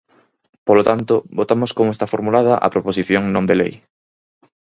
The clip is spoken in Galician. Polo tanto, votamos como está formulada a proposición non de lei.